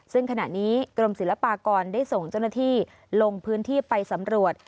ซึ่งขณะนี้กรมศิลปากรได้ส่งเจ้าหน้าที่ลงพื้นที่ไปสำรวจ